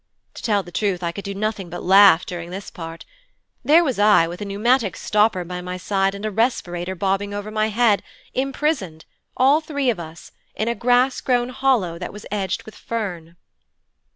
To tell the truth I could do nothing but laugh, during this part. There was I, with a pneumatic stopper by my side and a respirator bobbing over my head, imprisoned, all three of us, in a grass grown hollow that was edged with fern.'